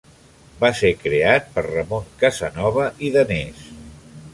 Va ser creat per Ramon Casanova i Danés.